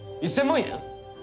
１，０００万円！？